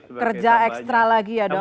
harus kerja ekstra lagi ya dok